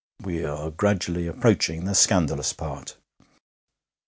(We are gradually approaching the scandalous part.)